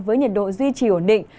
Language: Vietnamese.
với nhiệt độ duy trì ổn định